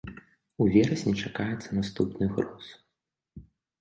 У верасні чакаецца наступны груз.